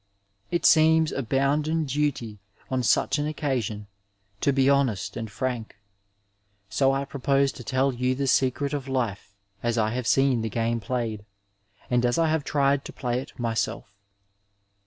It seems a bounden duty on such an occasion to be honest and frank, so I propose to tell you the secret of life as I have seen the game played, and as I have tried to play it myself.